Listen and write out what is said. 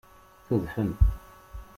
Tudfem.